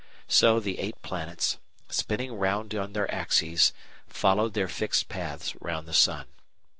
So the eight planets, spinning round on their axes, follow their fixed paths round the sun.